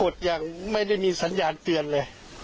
อย่างไม่ได้มีสัญญาณเตือนเลย